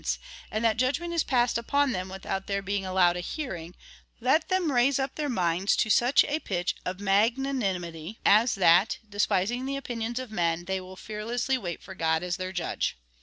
153 their own defence, and that judgment is passed upon them without their being allowed a hearing, let them raise up their minds to such a pitch of magnanimity, as that, despis ing the opinions of men, they will fearlessly wait for God as their judge.